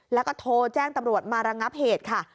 แล้วก็โทรแจ้งตำรวจมาระงับเหตุค่ะ